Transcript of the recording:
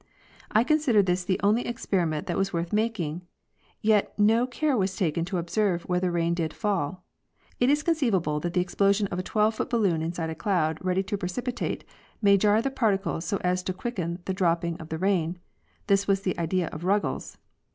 I consider this the only experiment that was worth making, yet no care was taken to observe whether rain did fall. It is conceivable that the ex plosion of a twelve foot balloon inside a cloud ready to precipitate may Jar the particles so as to quicken the dropping of the rain. This was the idea of Ruggles.